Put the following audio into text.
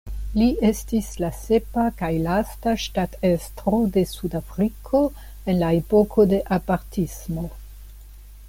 Li estis la sepa kaj lasta ŝtatestro de Sudafriko en la epoko de apartismo.